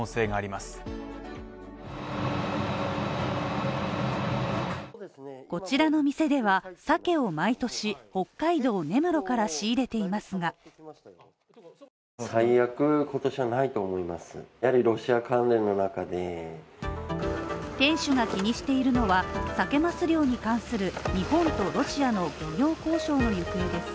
そうですね、こちらの店ではサケを毎年北海道根室から仕入れていますが店主が気にしているのはサケ・マス漁に関する日本とロシアの漁業交渉の行方です。